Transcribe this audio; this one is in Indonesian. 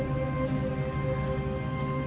dia bukan anakku